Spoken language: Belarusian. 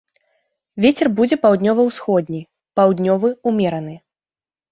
Вецер будзе паўднёва-ўсходні, паўднёвы ўмераны.